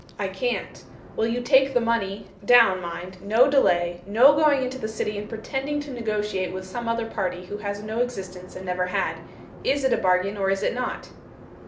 'I can't. Will you take the money down, mind; no delay, no going into the city and pretending to negotiate with some other party who has no existence, and never had. Is it a bargain, or is it not?